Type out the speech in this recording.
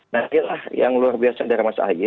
nah inilah yang luar biasa dari mas ahy